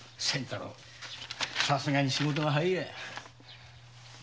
さすがに仕事が早いや。